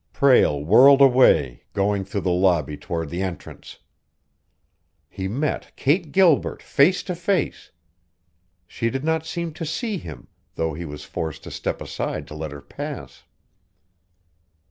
Prale whirled away, going through the lobby toward the entrance. He met Kate Gilbert face to face. She did not seem to see him, though he was forced to step aside to let her pass.